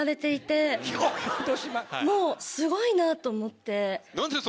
すごいなと思って。